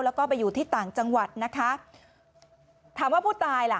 แล้วก็ไปอยู่ที่ต่างจังหวัดนะคะถามว่าผู้ตายล่ะ